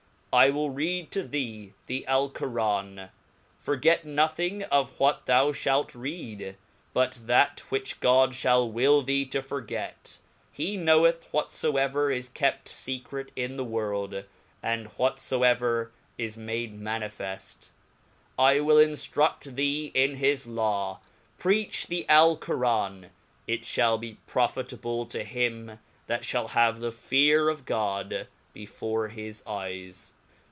I wii read to thee the J /conm ^forg^r: nothing of what thou (liak read, but that which God fliall will thee to forget, heknowcth whatfbever is kept fccrct in the world, and whafoever is made manifeft. I will inftrud thee in his Law 3 preach the yllcoran, it Qiall be profitable to him that fiiall have the fear of God be fore his eyes